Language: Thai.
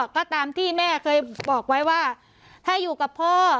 ก็ตามที่แม่เคยบอกไว้ว่าถ้าอยู่กับพ่อ